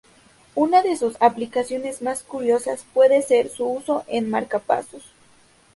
Una de sus aplicaciones más curiosas puede ser su uso en marcapasos.